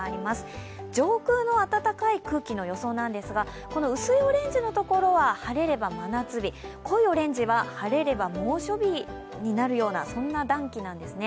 上空の暖かい空気の予想なんですが、薄いオレンジのところは晴れれば真夏日、濃いオレンジは晴れれば猛暑日になるようなそんな暖気なんですね。